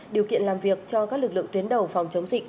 điều kiện làm việc cho các lực lượng tuyến đầu phòng chống dịch